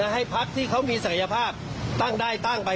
ให้พักที่เขามีศักยภาพตั้งได้ตั้งไป